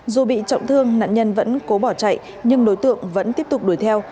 dù bị trọng thương nạn nhân vẫn cố bỏ chạy nhưng đối tượng vẫn tiếp tục đuổi theo